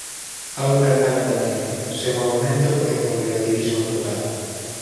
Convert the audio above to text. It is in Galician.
A outra cara da noite: sen movemento e con negativismo total.